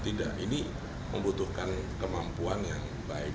tidak ini membutuhkan kemampuan yang baik